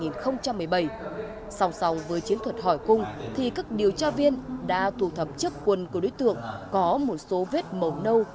sòng sòng với chiến thuật hỏi cung thì các điều tra viên đã tụ thập chức quân của đối tượng có một số vết màu nâu